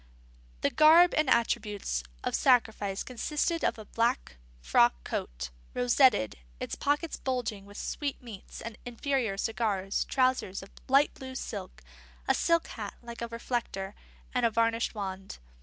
The garb and attributes of sacrifice consisted of a black frock coat, rosetted, its pockets bulging with sweetmeats and inferior cigars, trousers of light blue, a silk hat like a reflector, and a varnished wand.